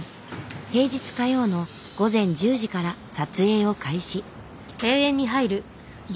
平日火曜の午前１０時から撮影を開始。